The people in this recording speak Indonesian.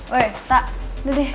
weh tak udah deh